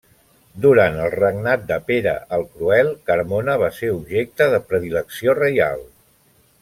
Durant el regnat de Pere el Cruel, Carmona va ser objecte de predilecció reial.